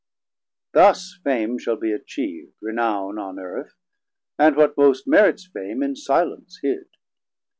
Thus Fame shall be achiev'd, renown on Earth, And what most merits fame in silence hid.